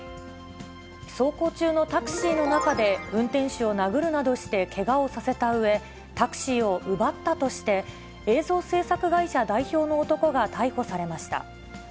走行中のタクシーの中で、運転手を殴るなどしてけがをさせたうえ、タクシーを奪ったとして、映像制作会社代表の男が逮捕されました。